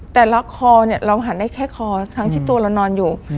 แต่ล็อกคอเนี่ยเราหันได้แค่คอทั้งที่ตัวเรานอนอยู่